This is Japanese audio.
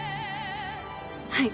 はい。